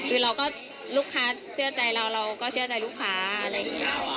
คือเราก็ลูกค้าเชื่อใจเราเราก็เชื่อใจลูกค้าอะไรอย่างนี้